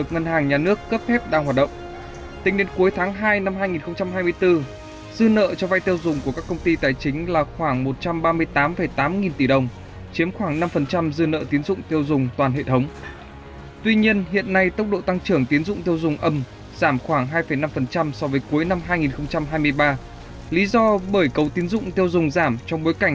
giảm khoảng hai năm so với cuối năm hai nghìn hai mươi ba lý do bởi cầu tiến dụng tiêu dùng giảm trong bối cảnh